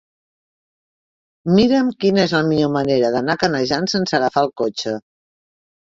Mira'm quina és la millor manera d'anar a Canejan sense agafar el cotxe.